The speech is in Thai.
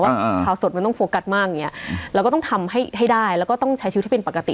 ข่าวสดมันต้องโฟกัสมากอย่างเงี้ยเราก็ต้องทำให้ให้ได้แล้วก็ต้องใช้ชีวิตให้เป็นปกติ